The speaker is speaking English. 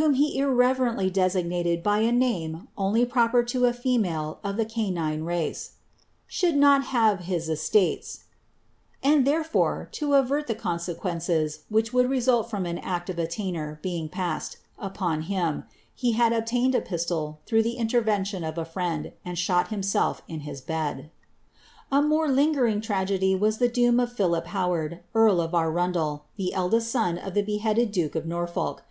whom he irreverently designated by a name oidy proper to a female of the canioe race, "should not have his estates j" and, therefore, to avert the conse quences which would result from an act of attainder being passed upon him, he had obtained a pistol through the intervention of a friend, and shot himself in his bed.' A more lingering tragedy was the doom of Pliilip Howard, earl of Arundel, the eldest son of the beheaded duke cf Norfolk.